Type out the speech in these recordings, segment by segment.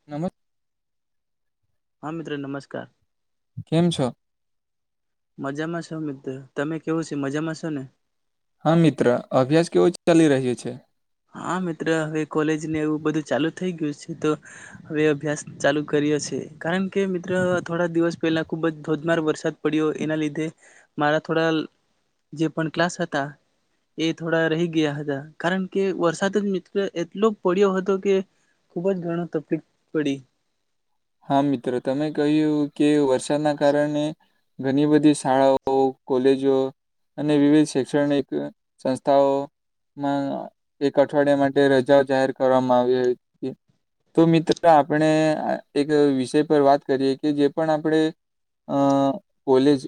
[inaudible] હ મિત્ર નમસ્કાર કેમ છો? મજામાં છો મિત્ર, તમે કેવું છે મજામાં છો ને? હા મિત્ર અભ્યાસ કેવો ચલી રહ્યો છે? હા મિત્ર હવે કોલેજ ને એવું બધું ચાલુ થઈ ગયું છે તો હવે અભ્યાસ ચાલુ કરીએ કારણ કે મિત્ર થોડા દિવસ પહેલા ખુબ જ ધોધમાર વરસાદ પડ્યો એના લીધે મારા થોડા જે પણ ક્લાસ હતા એ થોડા રહી ગયા હતા કારણ કે વરસાદ જ મિત્ર એટલો પડ્યો હતો કે ખુબ જ ઘણ તકલીફ પડી હા મિત્રો તમે કહ્યું કે વરસાદના કારણે ઘણી બધી શાળાઓ કોલેજો અને વિવિધ શૈક્ષણિક સંસ્થાઓ મા એક અઠવાડિયા માટે રજાઓ જાહેર કરવામાં આવી હતી. તો મિત્રો આપણે એક વિષય પર વાત કરીએ કે જે પણ આપણે અ કોલેજ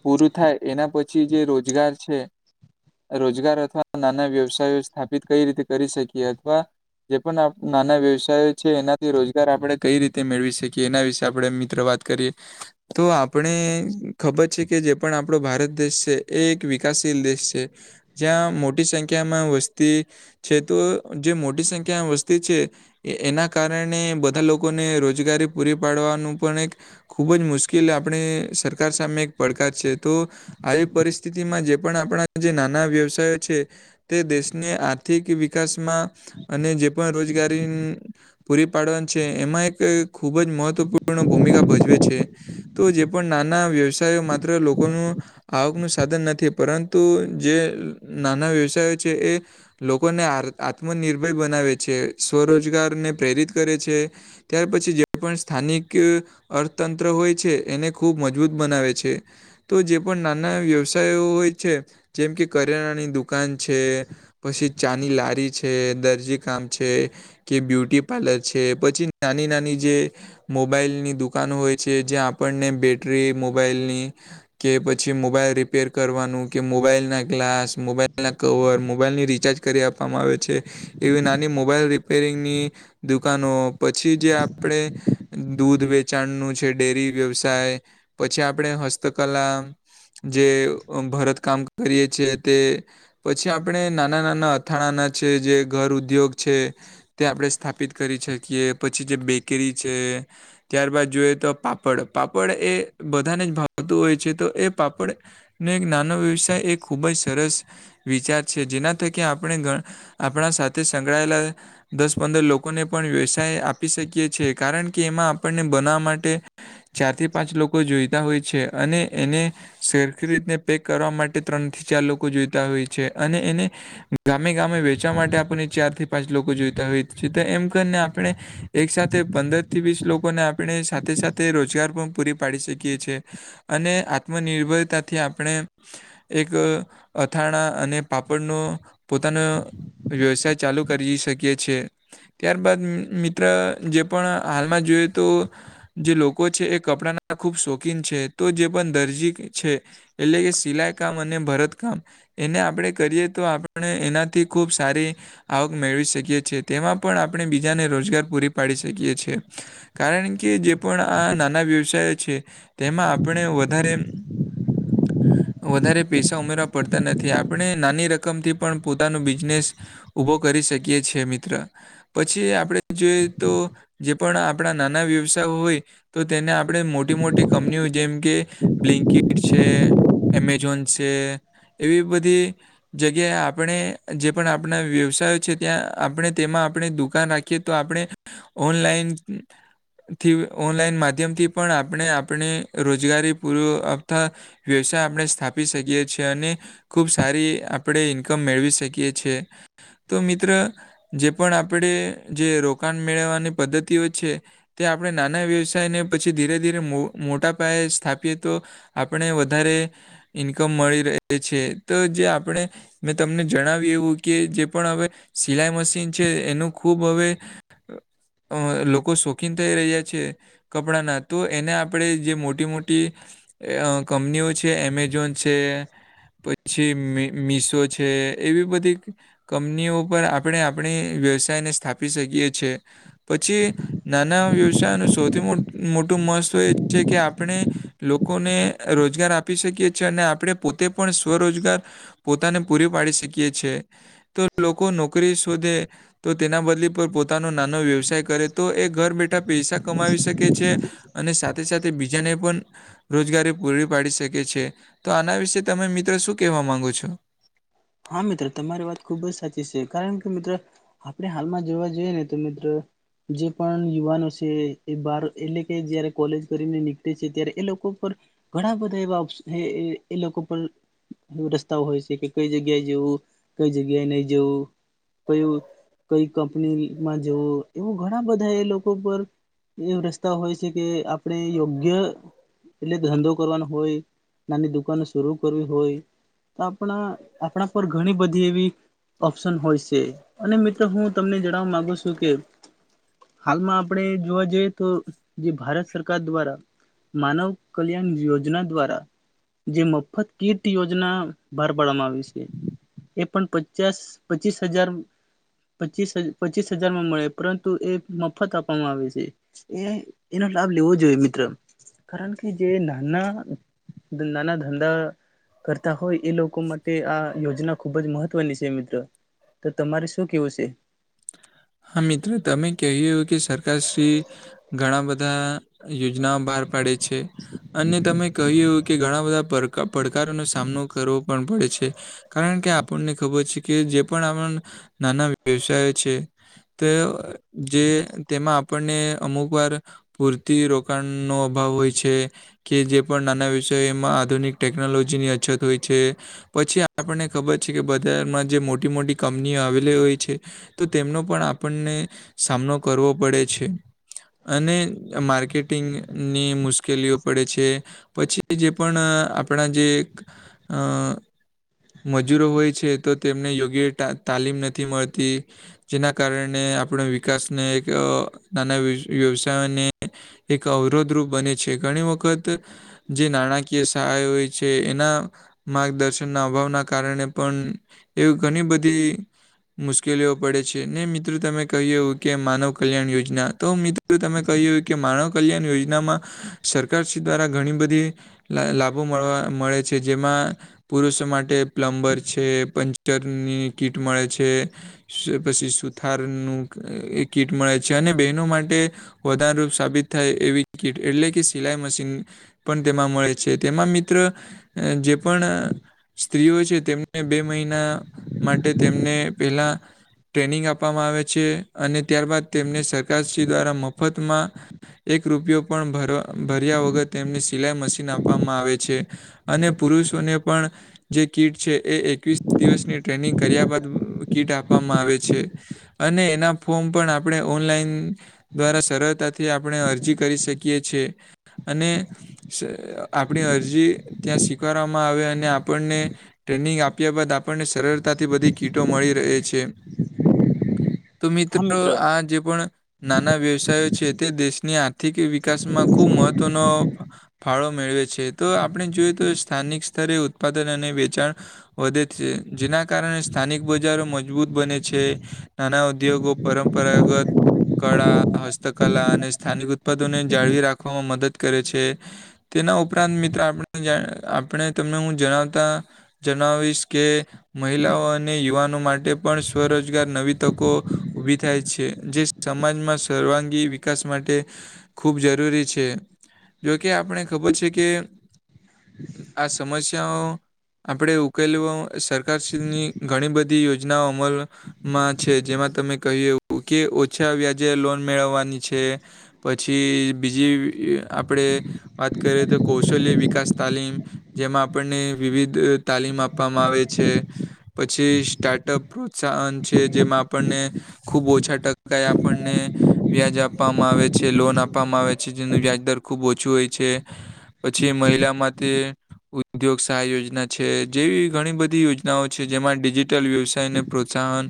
પૂરું થાય એના પછી જે રોજગાર છે. રોજગાર અથવા નાના વ્યવસાયો સ્થાપિત કઈ રીતે કરી શકીએ અથવા જે પણ આ નાના વ્યવસાય છે, એનાથી રોજગાર આપણે કઈ રીતે મેળવી શકીએ એના વિશે આપણે મિત્ર વાત કરીએ તો આપણે ખબર છે, કે જે પણ આપણો ભારત દેશ છે, એ એક વિકાસશીલ દેશ છે. જ્યાં મોટી સંખ્યામાં વસ્તી છે, તો જે મોટી સંખ્યામાં વસ્તી છે, એના કારણે બધા લો કોને રોજગારી પૂરી પાડવાનું પણ એક ખુબ જ મુશ્કેલ આપણે સરકાર સામે એક પડકાર છે, તો આવી પરિસ્થિતિમાં જે પણ આપણા જે નાના વ્યવસાયો છે. તે દેશને આર્થિક વિકાસમાં અને જે પણ રોજગારી પૂરી પાડવા છે, એમાં એક ખૂબ જ મહત્વપૂર્ણ ભૂમિકા ભજવે છે. તો જે પણ નાના વ્યવસાય માત્ર લોકોનું આવકનું સાધન નથી પરંતુ જે નાના વ્યવસાય છે, એ લોકોને આ આત્મનિર્ભર બનાવે છે, સ્વરોજગારને પ્રેરિત કરે છે. ત્યાર પછી જે પણ સ્થાનિક અર્થતંત્ર હોય છે, એને મજબૂત બનાવે છે, તો જે પણ નાના વ્ય યો હોય છે, જેમ કે કરિયાણાની દુકાન છે. પછી ચાની લારી છે, દરજી કામ છે, કે બ્યુટી પાર્લર છે. પછી નાની નાની જે મોબાઈલની દુકાનો હોય છે, જયા પણને બેટરી મોબાઈલની કે પછી મોબાઈલ રી પેર કરવાનું કે મોબાઈલના ગ્લાસ મોબાઈલના કવર મોબાઈલની રિચાર્જ કરી આપવામાં આવે છે. એવી નાની મોબાઈલ રિપેરિંગની દુકાનો પછી જે આપડે દૂધ વેચાણનું છે, ડેરી વ્યવસાય પછી આપણે હસ્તકલા જે ભરત કામ કરીએ છે, તે પછી આપણે નાના નાના અથાણાના છે, જે ઘર ઉદ્યોગ છે. તે આપણે સ્થાપિત કરી શકીએ પછી જે બેકરી છે, ત્યારબાદ જોએ તો પા પડ પાપડ એ બધાને જ ભાવતું હોય છે, તો એ પાપડ ને એક નાનો વ્યવસાય એ ખૂબ જ સરસ વિચાર છે, જેના થકી આપણે આપણા સાથે સંકળાયેલા દસ પંદર લોકોને પણ વ્યવસાય આપી શકીએ કારણ કે એમાં આપણને બનાવા માટે ચાર થી પાંચ લોકો જોઈતા હોય છે અને એને શેરખીરીતને પેક કરવા માટે ત્રણ થી ચાર લોકો જોઈતા હોય છે અને એને ગામે ગામે વેચવા માટે આપણને ચાર થી પાંચ લોકો જોઈતા હોય એમ કરીને આપણે એક સાથે પંદર થી વીસ લોકોને આપણે સાથે સાથે રોજગાર પણ પૂરી પાડી શકીએ છ છે અને આત્મનિર્ભરતાથી આપણે એક અથાણા અને પાપડનો પોતાન વ્યવસાય ચાલુ કરી શકીએ છીએ ત્યારબાદ મિત્ર જે પણ હાલમાં જોઈએ તો જે લોકો છે, એ કપડાના ના ખુબ શોખીન છે, તો જે પણ દરજી છે, એટલે કે સિલાઈ કામ અને ભરત કામ એને આપણેે કરીએ તો આપણે એનાથી ખુબ સારી આવક મેળવી શકીએ છે, તેમાં પણ આપણે બીજાને રોજ રોજગાર પૂરી પાડી શકીએ છે, કારણ કે જે પણ આ નાના વ્યવસાય છે. તેમાં આપણે વધારે વધારે પૈસા ઉમેરવા પડતા નથી આપણે નાની રકમથી પણ પોતાનું બિઝનેસ ઉભો કરી શકીએ છેએ મિત્ર પછી આપણેે જોઈએ તો જે પણ આપણા નાના વ્યવસાય હોય તો તેને આપણે મોટી મોટી કંપનીઓ જેમ કે બ્લન્કીટ છે એમેઝોન છે એવી બધી જગ્યાએ આપણે જે પણ આપણા વ્યવસાયો છે ત્યાં આપણે તેમાં આપણે દુકાન રાખી આપણેથીન મા્યમથી પણ આપણે આપણે રોજગારી પૂર અથવા વ્યવસાય આપણે સ્થાપી શકીએ છીએ અને ખુબ સારી આપણે ઇન્કમ મેળવી શકીએ છે તો મિત્ર જે પણ આપણે જે રોકાણ મેળવવાની પદ્ધતિઓ છે તે આપણે નાના વ્યવસાયને પછી ધીરે ધીરે મોટા પાયે સ્થાપીએ તો આપણે વધારે ઈન્કમ મળી ર છે તો જે આપણે મેં તમને જણાવી એું કે જે પણ હવે સિલાઈ મશીન છે એનું ખુબ હવે અ લોકો શોખીન થઈ રહ્યા છે કપડાના તો એને આપણે જે મોટી મોટી કંપનીઓ છે એમેઝોન છે પછી મીસો છે એવી બધી કંપનીઓ પર આપણે આપણે વ્યવસાયને સ્થાપી શકીએ છી પછી નાના વ્યવસાયનું સૌથી મોટું મહત્વ એ છે કે આપણે લોકોને રોજગાર આપી શકીએ છી અને આપણે પોતે પણ સ્વરોજગાર પોતાને પૂરી પાડી શકી છે તો લોકો નોકરી શોધે તો તેના બદલી પર પોતાનો નાનો વ્યવસાય કરે તો એ ઘર બેઠા પૈસા કમાવી શકે છે અને સાથે સાથે બીજાને પણ રોજગારી પૂરી પાડી શકે છે તો આના વિશે તમે મિત્રો શું કહેવા માંગો છો હા મિત્રો તમારી વાત ખુબ જ સાચી છે કારણ કે મિત્ર આપડણે હાલમાં જોવા જોઈએ ને તો મિત્ર જે પણ યુવાનો છે એ બાર એટલે કે જયારે કોલેજ કરીને નીકળે છે ત્યારે એ લોકો પર ઘણા બધા એવા એ લોકો પર રસ્તાઓ હોય છે કે કઈ જગ્યા જગ્યા જવું કઈ જગ્યાએ નહી જવું કયું કઈ કંપનીમાં જવું એવું ઘણા બધા એ લોકો પર એ રસ્તા હોય છે કે આપણે યોગ્ય એટલે ધંધો કરવાનો હોય નાની દુકાનો શરૂ કરવી હોય તો આપણા આપણા પર ઘણી બધી એવી ઓપ્શન હોય છે અને મિત્રો હું તમને જણાવવા મામાંગુ છું કે હાલમાં આપણે જોવા જઈએ તો જે ભારત સરકાર દ્વારા માનવ કલ્યાણ યોજના દ્વારા જે મફત કીર્ટ યોજના બહાર પાડવામાં આવી છે એ પણ પચાસ પચીસ હજાર પચીસ પચીસ હજારમાં મળે પરંતુ એ મફત આપવામાં આવે છે. એ એનો લાભ લેવો જોઈએ મિત્ર કારણ કે જે નાના નાના ધંધા કરતા હોય એ લોકો માટે આ યોજના ખુબ જ મહત્વની છે મિત્રો તો તમારે શું કેવું છે હા મિત્રો તમે કહ કે સરકાર શ્રી ઘણા બધા યોજનાઓ બહાર પાડે છે અને તમે કહ્યું કે ઘણા બધા પડકારોનો સામનો કરવો પણ પડે છે કારણ કે આપણને ખબર છે કે જે પણ આપણા નાના વ્યવસાય છે તે જે તેમાં આપણને અમુક વાર પૂરતી રોકાણનો અભાવ હોય છે. કે જે પણ નાના વિષયમાં આધુનિક ટેકનોલોજી ની અછત હોય છે. પછી આપણને ખબર છે કે બજારમાં જે મોટી મોટી કંપનીઓ આવેલી હોય છે તો તેમનો પણ આપણને સામનો કરવો પડે છે. અને માર્કેટિંગની મુશ્કેલીઓ પડે છે. પછી જે પણ આપણા જે અ મજૂરો હોય છે તો તેમને યોગ્ય તાલીમ નથી મળતી જેના કારણે આપણે વિકાસને એક નાના વ્યવસાયને એક અવરોધરૂપ બને છે ઘણી વખત જે નાણાકીય સહાય હોય છે એના માર્ગદર્શન ના અભાવના કારણે પણ એવી ઘણી બધી. મુશ્કેલીઓ પડે છે. ને મિત્ર તમે કહ્યું કે માનવ કલ્યાણ યોજના તો મિત્રો તમે કહ્યું. કે માનવ કલ્યાણ યોજનામાં સરકાર્રી દ્વારા ઘણી બધી લાભો મળવા મળે છે જેમાં પુરુષો માટે પ્લમ્બર છે પંચરની કીટ મળે છે. પછી સુથાર નું એ કીટ મળે છે અને બહેનો માટે વધાર રૂપ સાબિત થાય એવી કીટ એટલે કે સિલાઈ મશીન પણ તેમાં મળે છે તેમાં મિત્ર જે પણ સ્ત્રીઓ છે તેમને બે મહિના માટે તેમને પેલા ટ્રેનિંગ આપવામાં આવે છે અને ત્યારબાદ તેમને સરકારશ્રી દ્વારા મફતમાં એક રૂપિયો પણ ભરવા ભર્યા વગર તેમને સિલાઈ મશીન આપવામાં આવે છે. અને પુરુષોને પણ જે કીટ છે એ એકવીસ દિવસની ટ્રેનિંગ કર્યા બાદ કીટ આપવામાં આવે છે. અને એના ફોર્મ પણ આપણે ઓનલાઈન દ્વારા સરળતાથી આપણે અરજી કરી શકીએ છ છેએ અને આપણી અરજી ત્યાં સ્વીકારવામાં આવે અને આપણને ટ્રેનિંગ આપ્યા બાદ આપણને સરળતાથી બધી કીટો મળી રહે છે. તો હા મિત્રો મિત્ર આ જે પણ નાના વ્યવસાયો છે તે દેશની આર્થિક વિકાસમાં ખૂબ મહત્વનો ફાળો મેળવે છે તો આપણે જોઈએ તો સ્થાનિક સ્તરે ઉત્પાદન અને વેચાણ વધે છે જેના કારણે સ્થાનિક બજારો મજબૂત બને છે. નાના ઉદ્યોગો પરંપરાગત કળા હસ્તકલા અને સ્થાનિક ઉત્પાદને જાળવી રાખવામાં મદદ કરે છે. તેના ઉપરાંત મિત્ર આપ આપણે તમને હું જણાવતા જણાવીશ કે મહિલાઓ અને યુવાનો માટે પણ સ્વરોજ જગ નવી તકો ઉભી થાય છે જે સમાજમાં સર્વાંગી વિકાસ માટે ખૂબ જરૂરી છે જોકે આપણે ખબર છે કે આ સમસ્યાઓ આપણે ઉકેલ સરકારની ઘણી બધી યોજનાઓ અમલ માં છે જેમાં તમે કહ એવું કે ઓછા વ્યાજે લોન મેળવવાની છે પછી બીજી આપણેે વાત કરીએ તો કૌશલ્ય વિકાસ તાલીમ જેમાં આપણને વિવિધ તાલીમ આપવામાં આવે છે પછી સ્ટાર્ટઅપ પ્રોત્સાહન છે જેમાં આપણને ખુબ ઓછા ટકા આપણને વ્યાજ આપવામાં આવે છે લોન આપવામાં આવે છે જેનું વ્યાજ દર ખુબ ઓછું હોય છે. પછી મહિલામાંથી ઉદ્યોગ સહાય યોજના છે જેવી ઘણી બધી યોજનાઓ છે જેમાં ડિજિટલ વ્યવસાયને પ્રોત્સાહન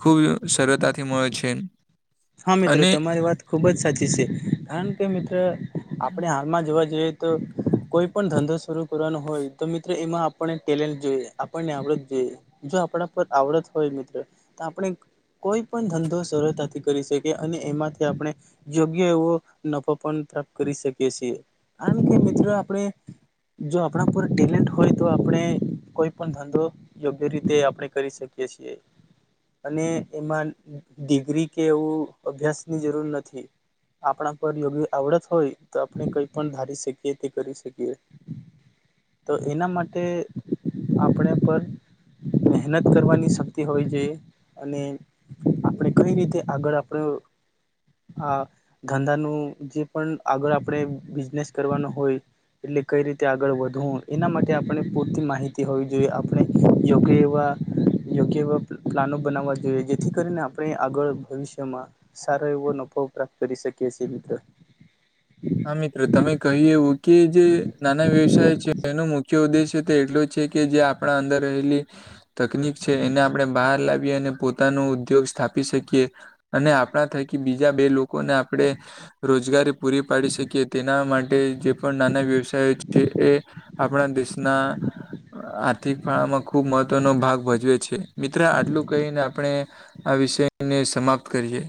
ખૂબ સરળતાથી મળે છે. હા મિત્રો અને તમારી વાત. ખૂબ જ સાચી છે કારણ કે મિત્રો આપણે હાલમાં જોવા જઈએ તો કોઈ પણ ધંધો શરરૂ કરવાનો હોય તો મિત્રો એમાં આપણને ટેલેન્ટ જોઈએ આપણને આવડત જોઈએ જો આપણા પર આવડત હોય મિત્રો તો આપણે કોઈ પણ ધંધો સરળતાથી કરી શકી અને એમાંથી આપણે યોગ્ય એવો નફો પણત કરી શકીએ છીએ કારણ કે મિત્રો આપડણે જો આપણા પૂરા ટેલેન્ટ હોય તો આપણે કોઈ પણ ધંધો દ રીતે આપણે કરી શકીએ છીએ અને એમાં ડિગ્રી કે એવું અભ્યાસ ની જરૂર નથી આપણા પર યોગી આવડત હોય તો આપણે કઈ પણ ધારી શકીએ તે કરી શકીએ [inaudible] તો એના માટે આપણે પર મહેનત કરવાની શક્તિ હોવી જોઈ અને આપણે કઈ રીતે આગળ આપડું આ ધંધાનું જે પણ આગળ આપણે બિઝનેસ કરવાનો હોય એટલે કઈ રીતે આગળ વધવું એના માટે આપણે પૂરતી માહિતી હોવી જોઈએ આપણે યોગ્ય એવા યોગ્ય એવા પ્લાનો બનાવવા જોઈએ જેથી કરીને આપણે આગળ ભવિષ્યમાં સારો એવો નફો પ્રાપ્ત કરી શકેએ છીએ મિત્ર હા મિત્રો તમે કહી એવું કે જે નાના વ્યવસાય છે એનો મુખ્ય ઉદ્દેશ્ય તો એટલો છે કે જે આપણા અંદર રહેલી તકનીક છે એને આપણે બહાર લાવીએ અને પોતાનો ઉદ્યોગ સ્થાપી શકીએ અને આપણા થકી બીજા બે લોકોને આપે રોજગારી પૂરી પાડી શકીએ તેના માટે જે પણ નાના વ્યવસાય છે એ આપણા દેશના આર્થિક ફાળામાં ખુબ મહત્વનો ભાગ ભજવે છે મિત્ર આટલું કહીને આપણે આ વિષયને સમાપ્ત કરીએ.